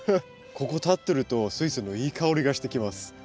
ここ立ってるとスイセンのいい香りがしてきます。